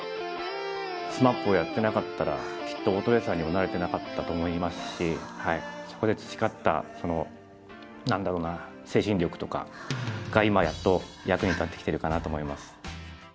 ＳＭＡＰをやってなかったら、きっとオートレーサーにもなれてなかったと思いますし、そこで培った、なんだろうな、精神力とかが今やっと、役に立ってきているかなと思います。